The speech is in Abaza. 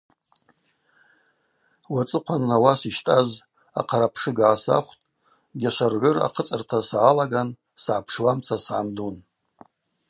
Уацӏыхъван ауаса йщтӏаз ахъарапшыга гӏасахвтӏ, Гьашваргӏвыр ахъыцӏырта сгӏалаган сгӏапшуамца сгӏамдун.